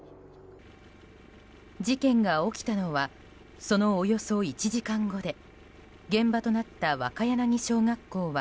事件が起きたのはそのおよそ１時間後で現場となった若柳小学校は